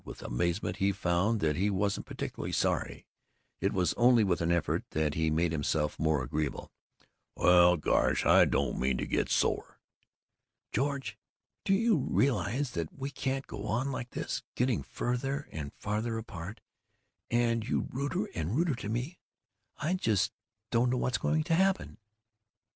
With amazement he found that he wasn't particularly sorry. It was only with an effort that he made himself more agreeable: "Well, gosh, I didn't mean to get sore." "George, do you realize that we can't go on like this, getting farther and farther apart, and you ruder and ruder to me? I just don't know what's going to happen."